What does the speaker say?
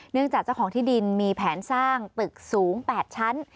จากเจ้าของที่ดินมีแผนสร้างตึกสูง๘ชั้น